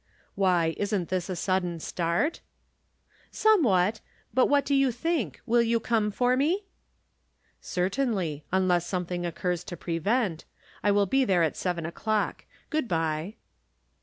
" Why, isn't this a sudden start ?"" Somewhat. But what do you think, will you come for me ?" "Certainly, unless something occurs to pre vent. I will be there at seven o'clock. Good by."